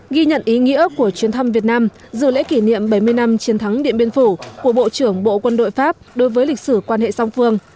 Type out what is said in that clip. ghi nhận ý nghĩa của chuyến thăm việt nam dự lễ kỷ niệm bảy mươi năm chiến thắng điện biên phủ của bộ trưởng bộ quân đội pháp đối với lịch sử quan hệ song phương